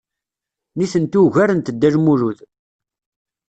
Nitenti ugarent Dda Lmulud.